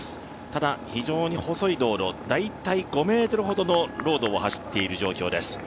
ただ、非常に細い道路大体５ｍほどのロードを走っている状況です。